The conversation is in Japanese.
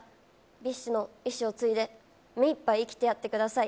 ＢｉＳＨの意志を継いで、目いっぱい生きてやってください。